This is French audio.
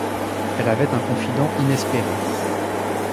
Elle avait un confident inespéré.